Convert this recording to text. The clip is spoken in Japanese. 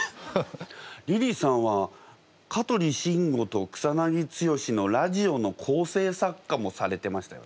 リリーさんは香取慎吾と草剛のラジオの構成作家もされてましたよね？